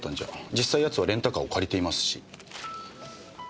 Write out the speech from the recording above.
実際奴はレンタカーを借りていますし。